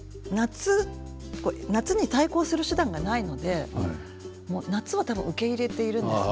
夏に対抗する手段がないので、夏を受け入れているんですね。